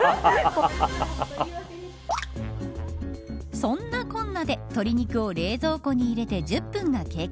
そんなこんなで鶏肉を冷蔵庫に入れて１０分が経過。